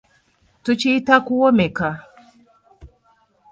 Tukiyita kuwommeka.